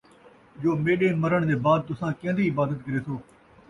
جو میݙے مَرݨ دے بعد تُساں کیندی عبادت کریسو،